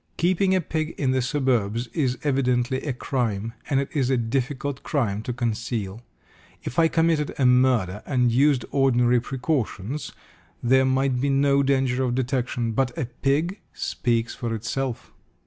Keeping a pig in the suburbs is evidently a crime, and it is a difficult crime to conceal. If I committed a murder and used ordinary precautions there might be no danger of detection, but a pig speaks for itself."